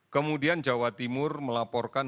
kemudian jawa timur melaporkan